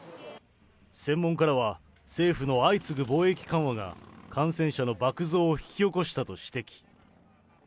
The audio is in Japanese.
専門家らは、政府の相次ぐ防疫緩和が感染者の爆増を引き起こしたと指摘。